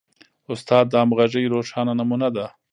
استاد د همغږۍ روښانه نمونه ده.